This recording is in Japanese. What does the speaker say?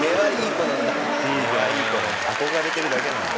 憧れてるだけなんだ。